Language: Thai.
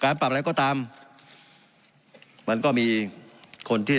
การปรับปรุงทางพื้นฐานสนามบิน